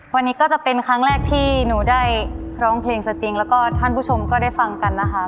วันนี้ก็จะเป็นครั้งแรกที่หนูได้ร้องเพลงสติงแล้วก็ท่านผู้ชมก็ได้ฟังกันนะคะ